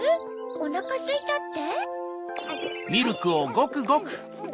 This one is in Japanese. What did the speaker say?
「おなかすいた」って？